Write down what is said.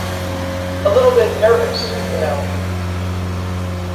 A little bit nervous, you know.